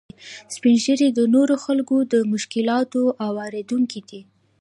سپین ږیری د نورو خلکو د مشکلاتو اورېدونکي دي